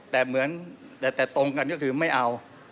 แต่เหมือนแต่ตรงกันก็คือไม่เอา